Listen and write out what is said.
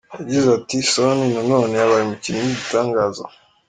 Yagize ati: " Son nanone yabaye umukinnyi w'igitangaza.